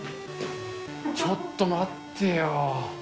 ちょっと待ってよ。